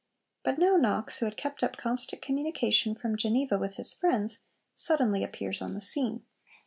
But now Knox, who had kept up constant communication from Geneva with his friends, suddenly appears on the scene.